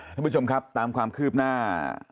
ท่านผู้ชมครับตามความคืบหน้า